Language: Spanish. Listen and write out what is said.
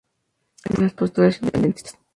Fue contrario a las posturas independentistas.